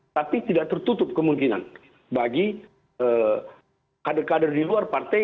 tapi tidak tertutup kemungkinan bagi kader kader di luar partai